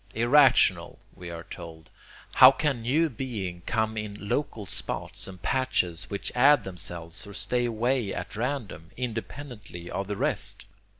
Irrational! we are told. How can new being come in local spots and patches which add themselves or stay away at random, independently of the rest?